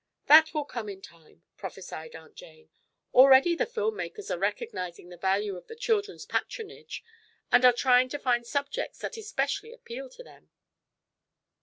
"That will come, in time," prophesied Aunt Jane. "Already the film makers are recognizing the value of the children's patronage and are trying to find subjects that especially appeal to them."